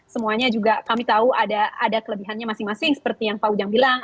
semuanya juga kami tahu ada kelebihannya masing masing seperti yang pak ujang bilang